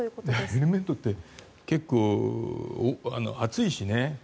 ヘルメットって結構、暑いしね。